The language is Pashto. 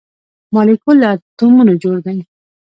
مالیکول له اتومونو جوړ دی